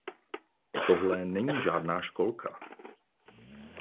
Tohle není žádná školka.